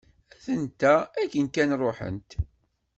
Atent-a akken kan ruḥent.